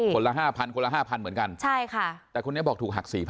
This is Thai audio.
คนละ๕๐๐๐คนละ๕๐๐๐เหมือนกันแต่คุณเนี่ยบอกถูกหัก๔๐๐๐